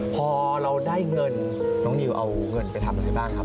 พอเราได้เงินน้องนิวเอาเงินไปทำอะไรบ้างครับ